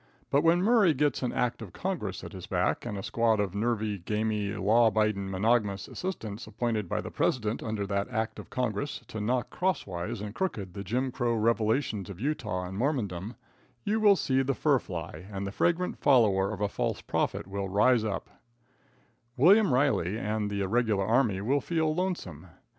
But when Murray gets an act of congress at his back and a squad of nervy, gamy, law abiding monogamous assistants appointed by the president under that act of congress to knock crosswise and crooked the Jim Crow revelations of Utah and Mormondom, you will see the fur fly, and the fragrant follower of a false prophet will rise up William Riley and the regular army will feel lonesome.